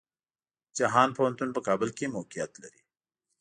جهان پوهنتون په کابل کې موقيعت لري.